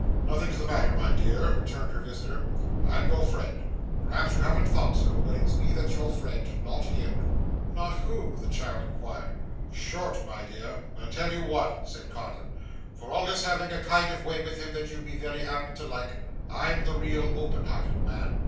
'Nothing's the matter, my dear,' returned her visitor. 'I'm your friend. Perhaps you haven't thought so, but it's me that's your friend not him.' 'Not who?' the child inquired. 'Short, my dear. I tell you what,' said Codlin, 'for all his having a kind of way with him that you'd be very apt to like, I'm the real, open hearted man.